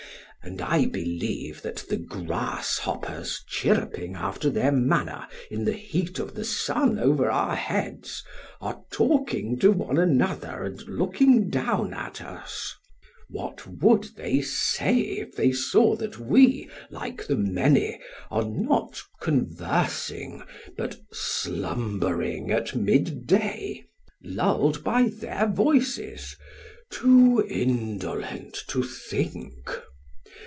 And I believe that the grasshoppers chirruping after their manner in the heat of the sun over our heads are talking to one another and looking down at us. What would they say if they saw that we, like the many, are not conversing, but slumbering at mid day, lulled by their voices, too indolent to think?